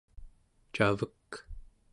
cavek